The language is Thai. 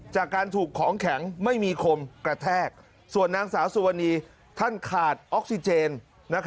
จากการถูกของแข็งไม่มีคมกระแทกส่วนนางสาวสุวรรณีท่านขาดออกซิเจน